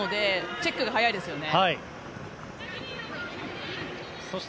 チェックが早いですよね。